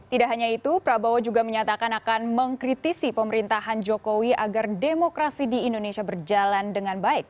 tidak hanya itu prabowo juga menyatakan akan mengkritisi pemerintahan jokowi agar demokrasi di indonesia berjalan dengan baik